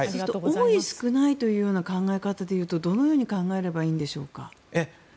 多い、少ないという考え方で言うとどのように考えればいいんでしょうか。